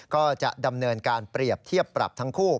ก็จะดำเนินการเปรียบเทียบปรับทั้งคู่